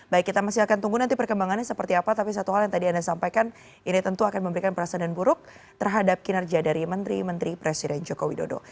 baik kita masih akan tunggu nanti perkembangannya seperti apa tapi satu hal yang tadi anda sampaikan ini tentu akan memberikan perasaan buruk terhadap kinerja dari menteri menteri presiden joko widodo